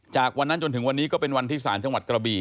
จากวันนั้นจนถึงวันนี้ก็เป็นวันที่สารจังหวัดกระบี่